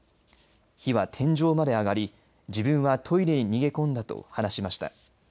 火は天井まで上がり自分はトイレに逃げ込んだと話しました。